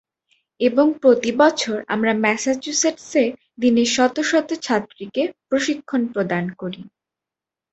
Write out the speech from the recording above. এবং প্রতি বছর আমরা ম্যাসাচুসেটসে দিনে শতশত ছাত্রীকে প্রশিক্ষণ প্রদান করি।